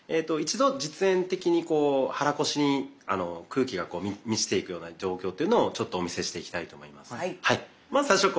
一度実演的に肚腰に空気が満ちていくような状況というのをちょっとお見せしていきたいと思います。